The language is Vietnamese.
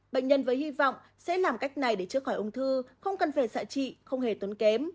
bệnh nhân với hy vọng sẽ làm cách này để chữa khỏi ung thư không cần về xạ trị không hề tốn kém